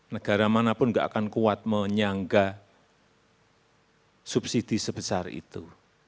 negara manapun gak akan kuat menyangga subsidi sebesar itu